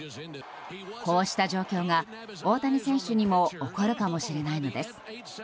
こうした状況が大谷選手にも起こるかもしれないのです。